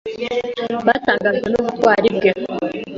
Batangajwe n'ubutwari bwe.